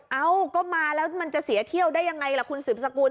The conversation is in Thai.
เอ้าก็มาแล้วมันจะเสียเที่ยวได้ยังไงล่ะคุณสืบสกุล